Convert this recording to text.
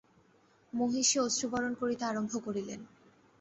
মহিষী অশ্রুবর্ষণ করিতে আরম্ভ করিলেন।